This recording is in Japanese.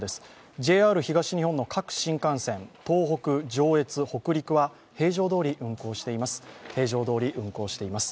ＪＲ東日本の各新幹線、東北・上越・北陸は平常どおり運行しています。